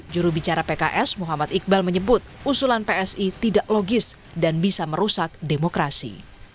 jurubicara pks muhammad iqbal menyebut usulan psi tidak logis dan bisa merusak demokrasi